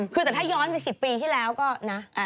คือแต่ถ้าย้อนไป๑๐ปีที่แล้วก็นะ